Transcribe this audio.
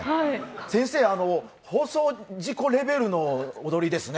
先生、放送事故レベルの踊りですね。